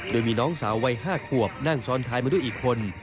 โดยมีน้องสาววัย๕ขวบนั่งซ้อนท้ายมาด้วยอีกคน